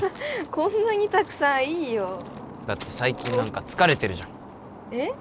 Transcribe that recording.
こんなにたくさんいいよだって最近何か疲れてるじゃんえっ？